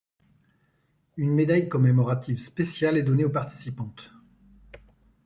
Une médaille commémorative spéciale est donnée aux participantes.